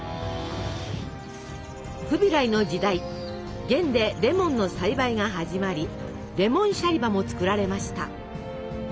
フビライの時代元でレモンの栽培が始まりレモンシャリバも作られました。